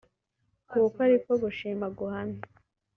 kuko ariko gushima guhamye